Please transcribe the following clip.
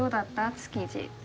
築地。